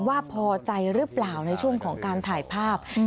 ว่าพอใจหรือเปล่าในช่วงของการถ่ายภาพ